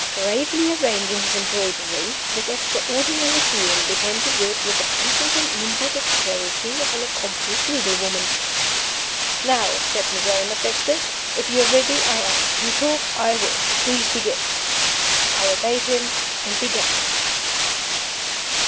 Gravely arranging his embroidery, this extraordinary being began to work with the patient and nimble dexterity of an accomplished needle woman. "Now," said Miserrimus Dexter, "if you are ready, I am. You talk I work. Please begin." I obeyed him, and began.